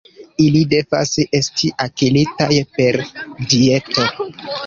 Ili devas esti akiritaj per dieto.